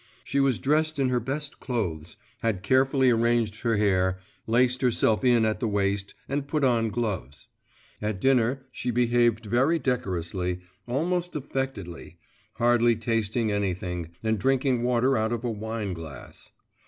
She was dressed in her best clothes, had carefully arranged her hair, laced herself in at the waist, and put on gloves. At dinner she behaved very decorously, almost affectedly, hardly tasting anything, and drinking water out of a wine glass.